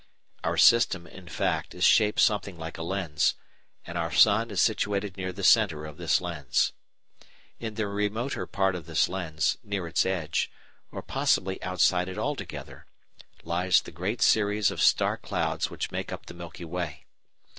Our system, in fact, is shaped something like a lens, and our sun is situated near the centre of this lens. In the remoter part of this lens, near its edge, or possibly outside it altogether, lies the great series of star clouds which make up the Milky Way.